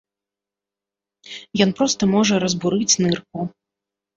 Ён проста можа разбурыць нырку.